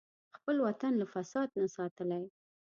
خپل وطن له فساد نه ساتلی.